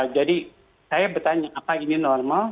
jadi saya bertanya apa ini normal